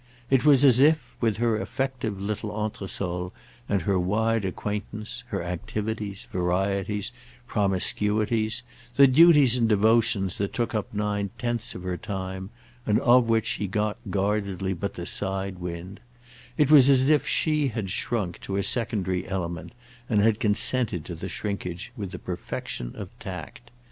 It was as if, with her effective little entresol and and her wide acquaintance, her activities, varieties, promiscuities, the duties and devotions that took up nine tenths of her time and of which he got, guardedly, but the side wind—it was as if she had shrunk to a secondary element and had consented to the shrinkage with the perfection of tact.